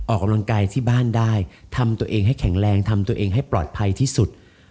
ออกกำลังกายที่บ้านได้ทำตัวเองให้แข็งแรงทำตัวเองให้ปลอดภัยที่สุด